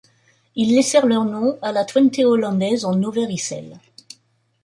Ils laissèrent leur nom à la Twente hollandaise en Over-Yssel.